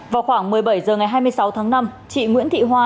vào khoảng một mươi bảy h ngày hai mươi sáu tháng năm chị nguyễn thị hoa